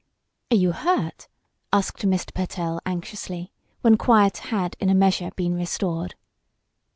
"Are you hurt?" asked Mr. Pertell, anxiously, when quiet had in a measure been restored.